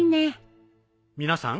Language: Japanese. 皆さん